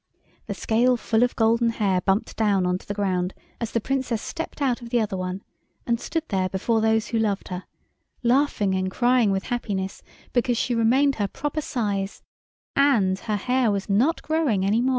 The scale full of golden hair bumped down on to the ground as the Princess stepped out of the other one, and stood there before those who loved her, laughing and crying with happiness, because she remained her proper size, and her hair was not growing any more.